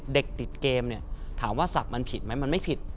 เด็กติดเกมเนี่ยถามว่าศัพท์มันผิดไหมมันไม่ผิด